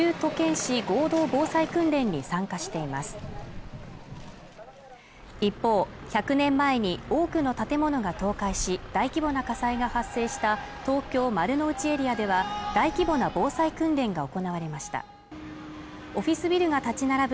市合同防災訓練に参加しています一方１００年前に多くの建物が倒壊し大規模な火災が発生した東京・丸の内エリアでは大規模な防災訓練が行われましたオフィスビルが立ち並ぶ